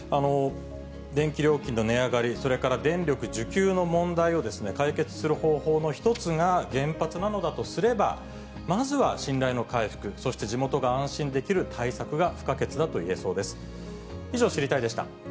電気料金の値上がり、それから電力需給の問題を解決する方法の一つが原発なのだとすれば、まずは信頼の回復、そして地元が安心できる対策が不可欠だといえそうです。